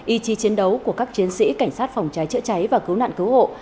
ý chí chiến đấu của các chiến sĩ cảnh sát phòng cháy chữa cháy và cứu nạn cứu hộ